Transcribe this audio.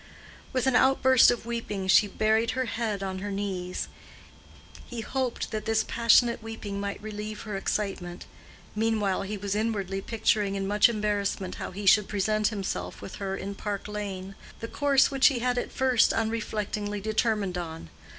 With an outburst of weeping she buried her head on her knees. He hoped that this passionate weeping might relieve her excitement. Meanwhile he was inwardly picturing in much embarrassment how he should present himself with her in Park Lane—the course which he had at first unreflectingly determined on.